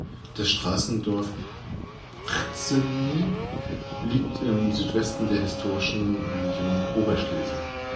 Das Straßendorf Brzeziny liegt im Südwesten der historischen Region Oberschlesien.